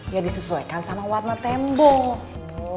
ya disesuaikan sama warna tembok